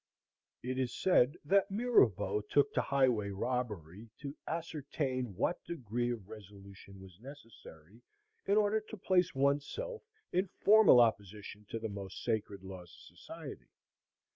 It is said that Mirabeau took to highway robbery "to ascertain what degree of resolution was necessary in order to place one's self in formal opposition to the most sacred laws of society."